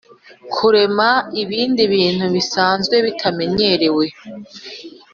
kurema ibindi bintu bisanzwe bitamenyerewe